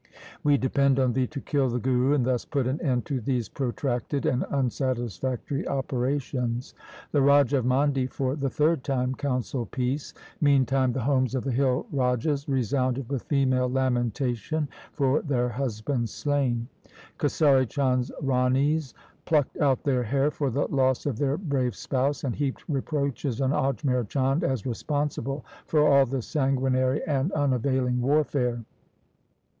We depend on thee to kill the Guru and thus put an end to these protracted and un satisfactory operations.' The Raja of Mandi for the third time counselled peace. Meantime the homes of the hill rajas resounded with female lamen tation for their husbands slain. Kesari Chand's ranis plucked out their hair for the loss of their brave spouse, and heaped reproaches on Ajmer Chand as responsible for all this sanguinary and unavailing warfare.